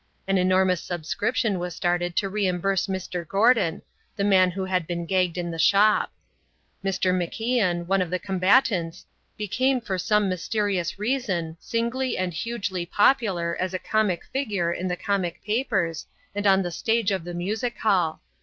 An enormous subscription was started to reimburse Mr. Gordon, the man who had been gagged in the shop. Mr. MacIan, one of the combatants, became for some mysterious reason, singly and hugely popular as a comic figure in the comic papers and on the stage of the music hall.